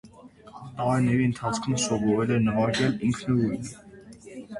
Տարիների ընթացքում սովորել է նվագել ինքնուրույն։